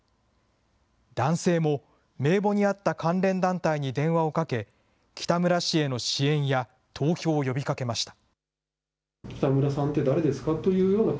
男性も名簿にあった関連団体に電話をかけ、北村氏への支援や投票を呼びかけました。